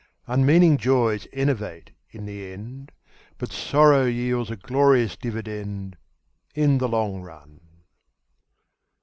Unmeaning joys enervate in the end, But sorrow yields a glorious dividend In the long run.